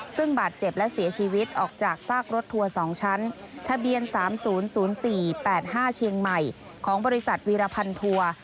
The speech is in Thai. ซึ่งบาดเจ็บและเสียชีวิตออกจากซากรถทัวร์๒ชั้นทะเบียน๓๐๐๔๘๕เชียงใหม่ของบริษัทวีรพันธัวร์